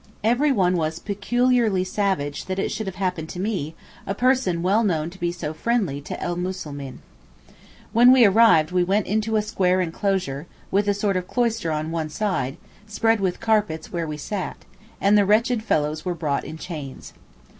Everyone was peculiarly savage that it should have happened to me, a person well known to be so friendly to el Muslimeen. When we arrived we went into a square enclosure, with a sort of cloister on one side, spread with carpets where we sat, and the wretched fellows were brought in chains.